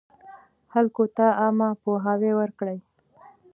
خلکو ته عامه پوهاوی ورکړئ.